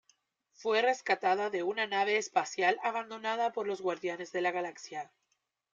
Fue rescatada de una nave espacial abandonada por los Guardianes de la Galaxia.